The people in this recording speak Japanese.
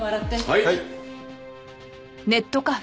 はい。